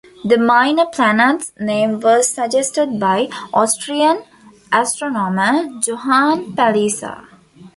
The minor planet's name was suggested by Austrian astronomer Johann Palisa.